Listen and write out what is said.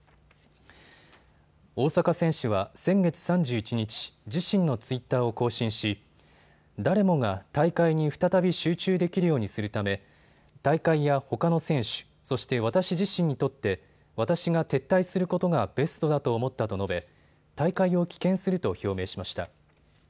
大坂選手は先月３１日、自身のツイッターを更新し誰もが大会に再び集中できるようにするため大会やほかの選手、そして私自身にとって私が撤退することがベストだと思ったと述べ大会を棄権すると表明しました。